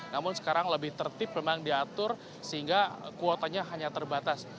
namun sekarang lebih tertib memang diatur sehingga kuotanya hanya terbatas